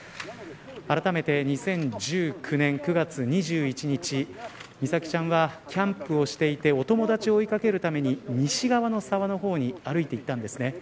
あらためて２０１９年９月２１日美咲ちゃんはキャンプをしていてお友達を追いかけるために西側の沢の方に歩いていったんですね。